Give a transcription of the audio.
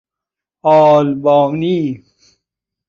آلبانی